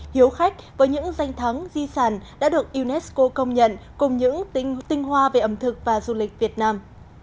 hiếu khách với những danh thắng di sản đã được unesco công nhận cùng những tinh hoa về ẩm thực và du lịch việt nam